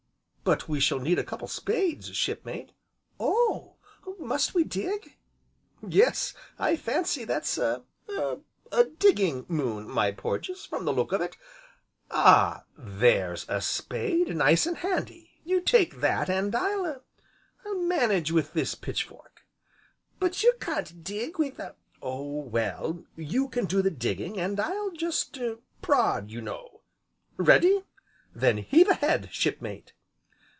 "But we shall need a couple of spades, Shipmate." "Oh! must we dig?" "Yes, I fancy that's a er digging moon, my Porges, from the look of it. Ah! there's a spade, nice and handy, you take that and I'll er I'll manage with this pitchfork." "But you can't dig with a " "Oh! well you can do the digging, and I'll just er prod, you know. Ready? then heave ahead, Shipmate."